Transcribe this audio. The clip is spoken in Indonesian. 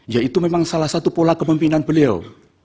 ya itu memang salah satu pola kepemimpinan beliau